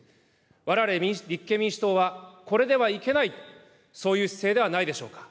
われわれ立憲民主党はこれではいけない、そういう姿勢ではないでしょうか。